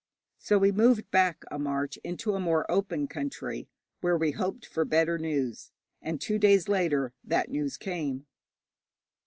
So we moved back a march into a more open country, where we hoped for better news, and two days later that news came.